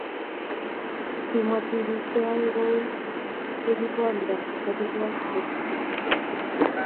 Kimwa tibiik choe ko uu ye kibuntoe nyalilwokik che chang eng somanee ngwang.